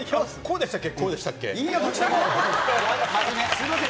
すみません。